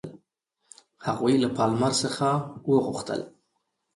هغوی له پالمر څخه وغوښتل.